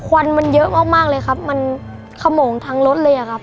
วันมันเยอะมากมากเลยครับมันขโมงทั้งรถเลยอะครับ